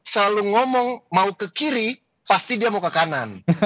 selalu ngomong mau ke kiri pasti dia mau ke kanan